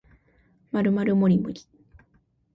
まるまるもりもり